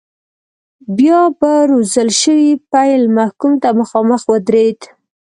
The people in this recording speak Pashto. بیا به روزل شوی پیل محکوم ته مخامخ ودرېد.